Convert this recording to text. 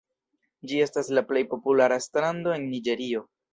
Ĝi estas la plej populara strando en Niĝerio.